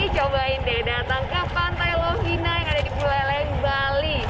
cobain deh datang ke pantai lovina yang ada di puleleng bali